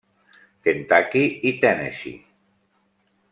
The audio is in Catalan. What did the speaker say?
Kentucky i Tennessee.